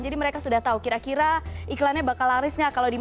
jadi mereka sudah tahu kira kira iklannya bakal laris